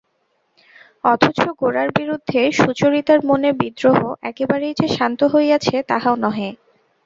অথচ গোরার বিরুদ্ধে সুচরিতার মনের বিদ্রোহ একেবারেই যে শান্ত হইয়াছে তাহাও নহে।